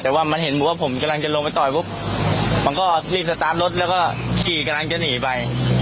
แต่ว่ามันเห็นบอกว่าผมกำลังจะลงไปต่อยปุ๊บมันก็รีบสตาร์ทรถแล้วก็ขี่กำลังจะหนีไป